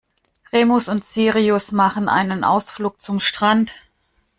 Remus und Sirius machen einen Ausflug zum Strand.